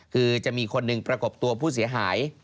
คือจะมีคนหนึ่งประกบตัวผู้เสียหาย